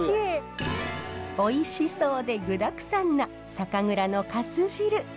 おいしそうで具だくさんな酒蔵のかす汁。